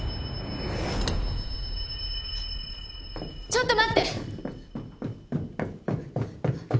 ちょっと待って！